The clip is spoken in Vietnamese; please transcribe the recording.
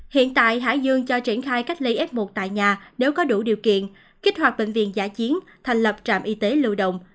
hiện tại hải dương cho triển khai cách ly f một tại nhà nếu có đủ điều kiện kích hoạt bệnh viện giả chiến thành lập trạm y tế lưu động